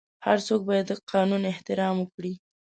هر څوک باید د قانون احترام وکړي.